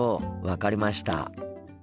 分かりました。